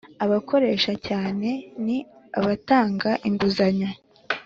abakoresha cyane ni abatanga inguzanyo.